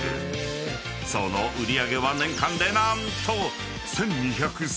［その売り上げは年間で何と］